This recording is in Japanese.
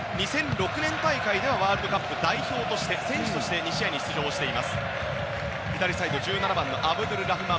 ２００６年大会ではワールドカップ代表として選手として２試合に出場しています。